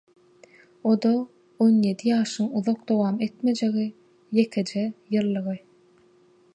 o-da on ýedi ýaşyň uzak dowam etmejegi, ýekeje ýyldygy.